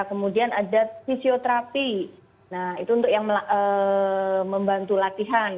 kemudian ada fisioterapi nah itu untuk yang membantu latihan